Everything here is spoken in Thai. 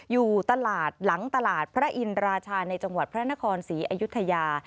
อยู่ตลาดหลังตลาดพระอินราชาในจังหวัดพระนครศรีอยุธยา